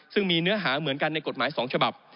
ซึ่งมีเนื้อหาเหมือนกันในกฎหมาย๒ฉบับ